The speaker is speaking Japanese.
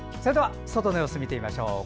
外の様子見てみましょう。